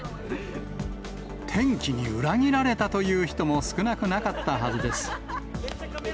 天気に裏切られたという人も少なくなかったはずです。